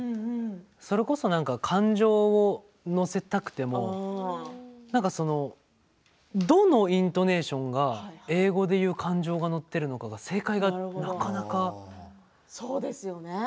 それこそ何か感情を乗せたくても何かそのどのイントネーションが英語で言う感情が乗っているのかそうですよね。